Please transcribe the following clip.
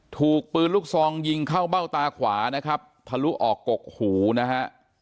ถูกปืนลูกซองยิงเข้าเบ้าตาขวานะครับทะลุออกกกหูนะฮะ